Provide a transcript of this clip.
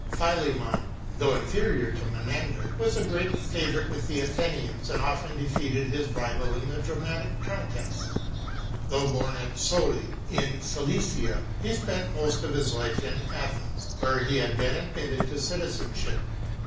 Philemon, though inferior to Menander, was a great favorite with the Athenians, and often defeated his rival in the dramatic contests. Though born at Soli, in Cilicia, he spent most of his life in Athens, where he had been admitted to citizenship.